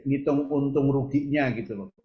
ngitung untung ruginya gitu loh